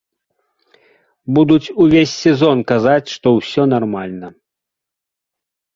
Будуць увесь сезон казаць, што ўсё нармальна.